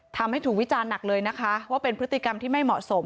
ทำให้ถูกวิจารณ์หนักเลยนะคะว่าเป็นพฤติกรรมที่ไม่เหมาะสม